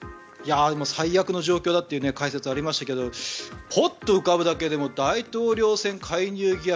最悪の状況だという解説がありましたけどポッと浮かぶだけでも大統領選介入疑惑